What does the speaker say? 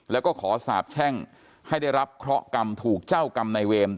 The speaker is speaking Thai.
แล้วก็ขอสาบแช่งให้ได้รับเคราะห์กรรมถูกเจ้ากรรมในเวร